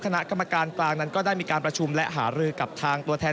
คณะกรรมการกลางนั้นก็ได้มีการประชุมและหารือกับทางตัวแทน